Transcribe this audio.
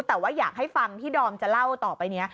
แต่ว่าอยากให้ฟังที่ดอมจะเล่าต่อไปนี้